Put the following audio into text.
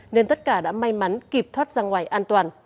nên tất cả đã may mắn kịp thoát ra ngoài an toàn